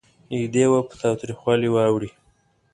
نږدې وه په تاوتریخوالي واوړي.